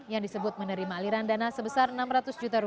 yang disebut menerima aliran dana sebesar rp enam ratus juta